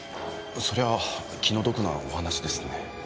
それは気の毒なお話ですね。